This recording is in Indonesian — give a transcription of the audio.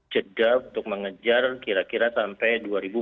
jeda untuk mengejar kira kira sampai dua ribu dua puluh